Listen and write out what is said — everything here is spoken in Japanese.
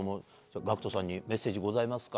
ＧＡＣＫＴさんにメッセージございますか？